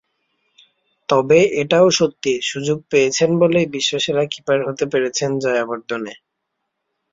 তবে এটাও সত্যি, সুযোগ পেয়েছেন বলেই বিশ্বসেরা কিপার হতে পেরেছেন জয়াবর্ধনে।